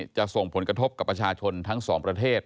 จะส่งผลกระทบกับประชาชนทั้งสองประเทศ